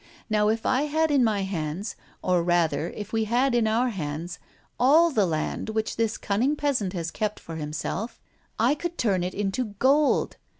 Now if I had in my hands, or rather if we had in our hands all the land which this cunning peasant has kept for himself, I could turn it into gold.